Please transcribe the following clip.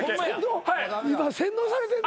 今洗脳されてんの？